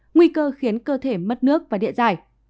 nguy cơ khiến cơ thể mất nước và địa giải